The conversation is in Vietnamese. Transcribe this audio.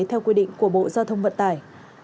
theo quy định của bộ giao thông vận tải